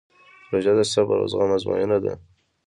روژه د صبر او زغم ازموینه ده.